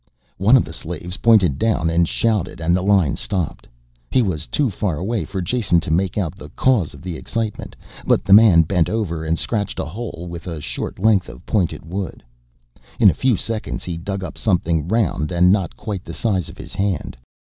One of the slaves pointed down and shouted and the line stopped. He was too far away for Jason to make out the cause of the excitement, but the man bent over and scratched a hole with a short length of pointed wood. In a few seconds he dug up something round and not quite the size of his hand.